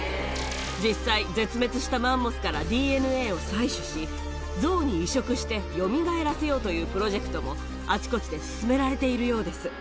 実際、絶滅したマンモスからＤＮＡを採取し、ゾウに移植してよみがえらせようというプロジェクトもあちこちで進められているようです。